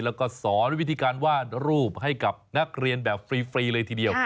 แล้วก็สอนวิธีการวาดรูปให้กับนักเรียนแบบฟรีเลยทีเดียว